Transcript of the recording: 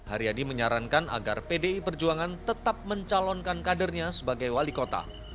haryadi menyarankan agar pdi perjuangan tetap mencalonkan kadernya sebagai wali kota